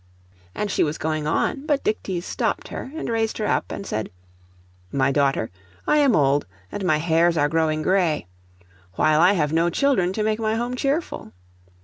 And she was going on; but Dictys stopped her, and raised her up, and said— 'My daughter, I am old, and my hairs are growing gray; while I have no children to make my home cheerful.